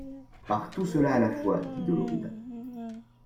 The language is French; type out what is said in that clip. Par tout cela à la fois, dit Dolorida.